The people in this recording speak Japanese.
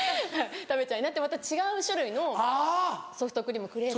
「食べちゃいな」ってまた違う種類のソフトクリームをくれて。